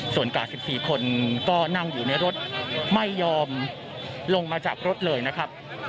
ส่วนกาด๑๔คนก็นั่งอยู่ในรถไม่ยอมลงมาจากรถเลยนะครับ